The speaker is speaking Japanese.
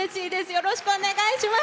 よろしくお願いします！